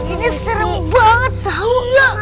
ini serem banget tau gak